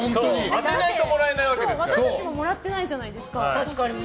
私たちももらってないじゃないですか。